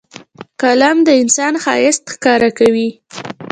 قلم د انسان ښایست ښکاره کوي